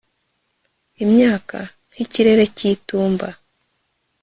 Imyaka nkikirere cyitumba